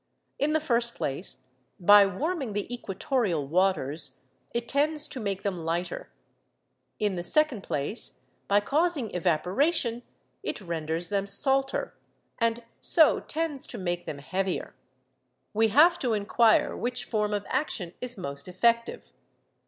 In the first place, by warming the equatorial waters, it tends to make them lighter; in the second place, by causing evaporation, it renders them salter, and so tends to make them heavier. We have to inquire which form of action is most effective.